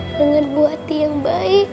dengan buati yang baik